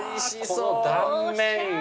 この断面が。